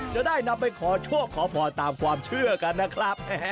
จะได้นำไปขอโชคขอพรตามความเชื่อกันนะครับ